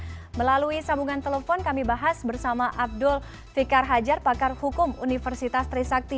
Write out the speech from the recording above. dan melalui sambungan telepon kami bahas bersama abdul fikar hajar pakar hukum universitas trisakti